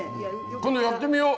今度やってみよう！